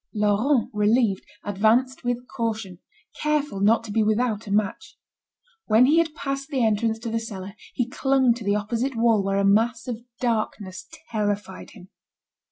Laurent, relieved, advanced with caution, careful not to be without a match. When he had passed the entrance to the cellar, he clung to the opposite wall where a mass of darkness terrified him.